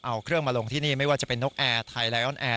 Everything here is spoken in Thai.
เอาเครื่องมาลงที่นี่ไม่ว่าจะเป็นนกแอร์ไทยไลออนแอร์